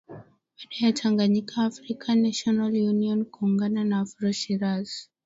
Baada ya Tanganyika Afrika National Union kuungana na Afro shiraz